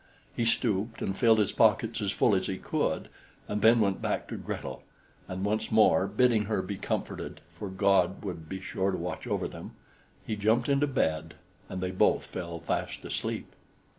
He stooped and filled his pockets as full as he could, and then went back to Gretel, and once more bidding her be comforted, for God would be sure to watch over them, he jumped into bed, and they both fell fast asleep.